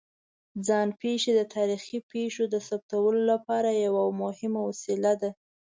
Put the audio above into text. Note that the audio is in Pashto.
ځان پېښې د تاریخي پېښو د ثبتولو لپاره یوه مهمه وسیله ده.